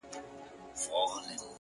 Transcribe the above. د تمرکز ساتل بریا نږدې کوي,